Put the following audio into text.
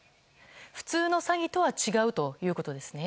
普通の詐欺とは違うということですね。